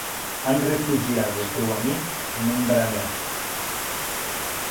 Han refugiat el teu amic en un graner.